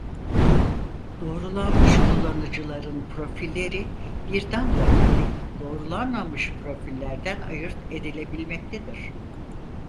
Doğrulanmış kullanıcıların profilleri bir damga ile doğrulanmamış profillerden ayırt edilebilmektedir.